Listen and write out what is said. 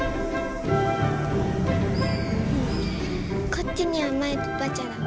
こっちにはマイプバジャダ。